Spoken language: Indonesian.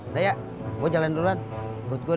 ntar emaknya kumat lagi